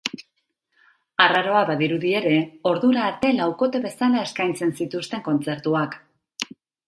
Arraroa badirudi ere, ordura arte laukote bezala eskaintzen zituzten kontzertuak.